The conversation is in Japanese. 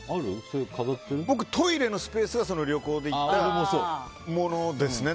僕、トイレのスペースが旅行で行ったものですね。